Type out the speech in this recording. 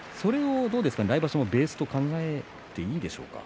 来場所もそれがベースと考えていいでしょうか。